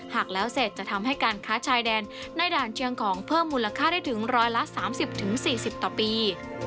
หากแล้วเสร็จจะทำให้การค้าชายแดนในด่านเชียงของเพิ่มมูลค่าได้ถึง๑๓๐๔๐ต่อปี